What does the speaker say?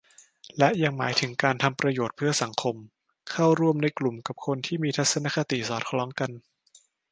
และยังหมายถึงการทำประโยชน์เพื่อสังคม เข้าร่วมในกลุ่มกับคนที่มีทัศนคติสอดคล้องกัน